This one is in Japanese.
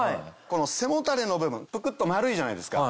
この背もたれの部分ぷくっと丸いじゃないですか。